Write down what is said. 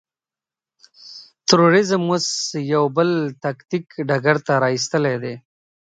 تروريزم اوس يو بل تاکتيک ډګر ته را اېستلی دی.